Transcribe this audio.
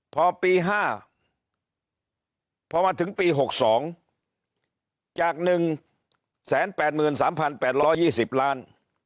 พอปี๕พอมาถึงปี๖๒จาก๑๘๓๘๒๐ล้าน